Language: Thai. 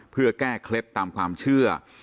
เพื่อแก้เคล็ดตามความเชื่อ